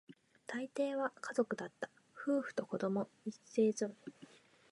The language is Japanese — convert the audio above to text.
大抵は家族だった、夫婦と子供、一揃いだ